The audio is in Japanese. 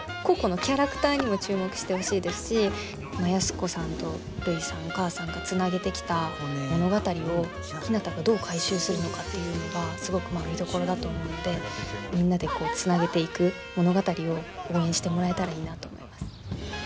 個々のキャラクターにも注目してほしいですし安子さんとるいさんお母さんがつなげてきた物語をひなたがどう回収するのかっていうのがすごく見どころだと思うのでみんなでつなげていく物語を応援してもらえたらいいなと思います。